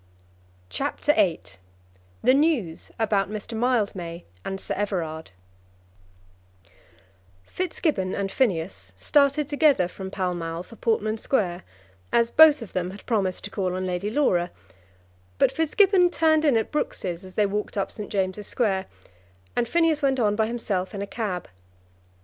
CHAPTER VIII The News about Mr. Mildmay and Sir Everard Fitzgibbon and Phineas started together from Pall Mall for Portman Square, as both of them had promised to call on Lady Laura, but Fitzgibbon turned in at Brooks's as they walked up St. James's Square, and Phineas went on by himself in a cab.